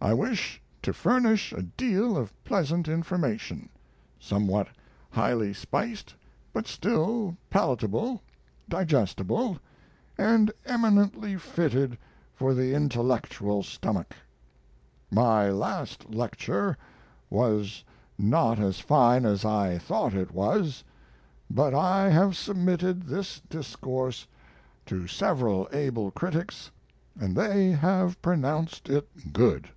I wish to furnish a deal of pleasant information, somewhat highly spiced, but still palatable, digestible, and eminently fitted for the intellectual stomach. My last lecture was not as fine as I thought it was, but I have submitted this discourse to several able critics, and they have pronounced it good.